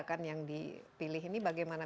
kan yang dipilih ini bagaimana